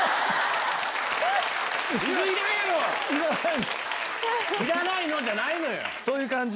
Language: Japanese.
いらないの？じゃないのよ！